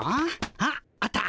あっあった！